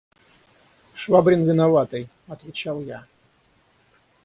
– Швабрин виноватый, – отвечал я.